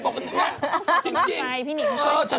บอกว่าน่าจริง